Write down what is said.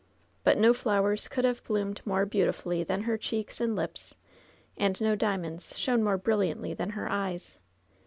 But no flowers could have bloomed more beautifully than her cheeks and lips, and no diamonds shone more brilliantly than her eyes.